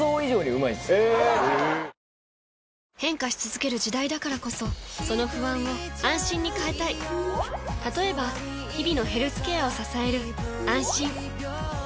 変化し続ける時代だからこそその不安を「あんしん」に変えたい例えば日々のヘルスケアを支える「あんしん」